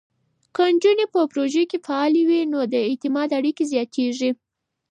که نجونې په پروژو کې فعاله وي، نو د اعتماد اړیکې زیاتېږي.